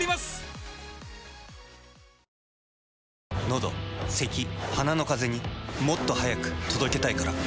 のどせき鼻のカゼにもっと速く届けたいから。